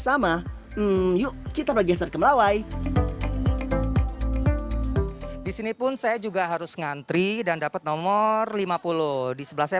sama yuk kita geser ke merawai disinipun saya juga harus ngantri dan dapat nomor lima puluh di sebelah saya